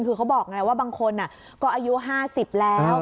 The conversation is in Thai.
คือเขาบอกไงว่าบางคนก็อายุ๕๐แล้ว